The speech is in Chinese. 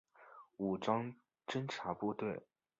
武装侦察部队。